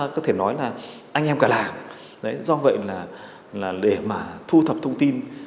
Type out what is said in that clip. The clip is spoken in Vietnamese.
khiến cho việc thu thập thông tin